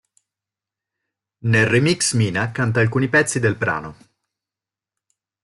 Nel remix Mina canta alcuni pezzi del brano.